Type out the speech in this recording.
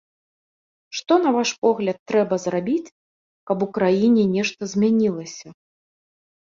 Што, на ваш погляд, трэба зрабіць, каб у краіне нешта змянілася?